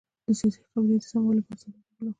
د سیاسي قبلې د سمولو لپاره ضرورت وبولو.